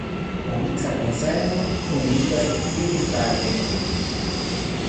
La miksa konzerno unuigas tiujn trajtojn.